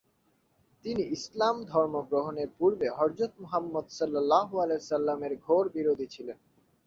তিনি ইসলাম ধর্ম গ্রহণের পূর্বে মুহাম্মদের ঘোর বিরোধী ছিলেন।